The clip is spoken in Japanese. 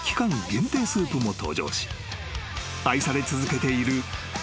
限定スープも登場し愛され続けているしるばーぐ］